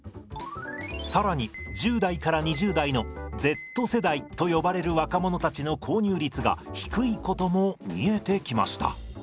更に１０代から２０代のＺ世代と呼ばれる若者たちの購入率が低いことも見えてきました。